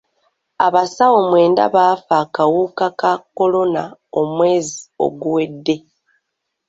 Abasawo mwenda baafa akawuka ka kolona omwezi oguwedde.